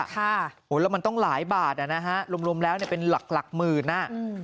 แล้วมันต้องหลายบาทรวมแล้วเป็นหลักมือนะ